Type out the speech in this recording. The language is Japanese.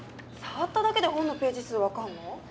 触っただけで本のページ数分かんの？